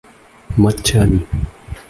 Mất chân